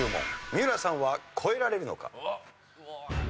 三浦さんは越えられるのか？